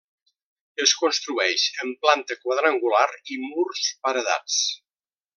Es construeix en planta quadrangular i murs paredats.